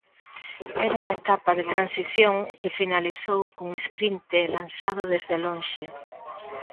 Era unha etapa de transición que finalizou cun esprinte lanzado desde lonxe.